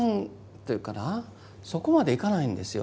そこまでいかないんですよ。